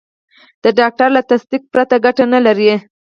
د ډاکټر له تصدیق پرته ګټه نه لري.